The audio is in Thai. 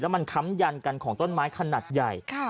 มันค้ำยันกันของต้นไม้ขนาดใหญ่